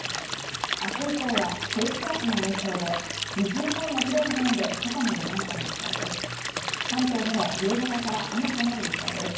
明日以降は低気圧の影響で西日本の広い範囲で傘の出番となりそうです。